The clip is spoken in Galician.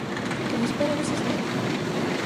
Quen espera desespera?